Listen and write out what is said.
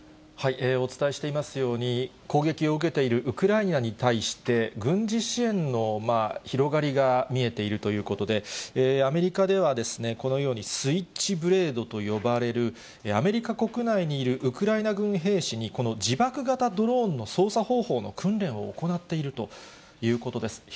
お伝えしていますように、攻撃を受けているウクライナに対して、軍事支援の広がりが見えているということで、アメリカではですね、このようにスイッチブレードと呼ばれるアメリカ国内にいるウクライナ軍兵士に、この自爆型ドローンの操作方法の訓練を行っているということです。